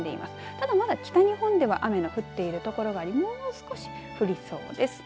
ただ、まだ北日本では雨が降っている所がもう少し降りそうです。